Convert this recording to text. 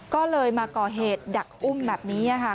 ก็เลยมาก่อเหตุดักอุ้มแบบนี้ค่ะ